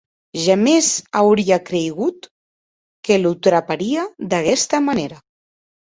Jamès auria creigut que lo traparia d’aguesta manèra.